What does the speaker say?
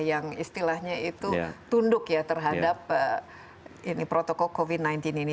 yang istilahnya itu tunduk ya terhadap protokol covid sembilan belas ini